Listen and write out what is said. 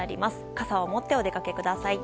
傘を持ってお出かけください。